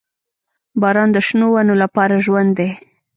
• باران د شنو ونو لپاره ژوند دی.